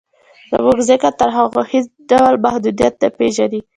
زموږ ذهن تر هغو هېڅ ډول محدودیت نه پېژني